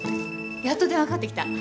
やっと電話かかってきた。